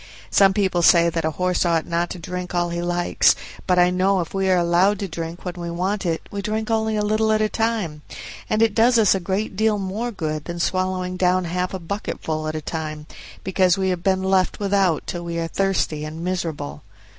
Some people say that a horse ought not to drink all he likes; but I know if we are allowed to drink when we want it we drink only a little at a time, and it does us a great deal more good than swallowing down half a bucketful at a time, because we have been left without till we are thirsty and miserable.